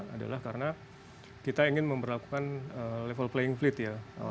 adalah karena kita ingin memperlakukan level playing fleet ya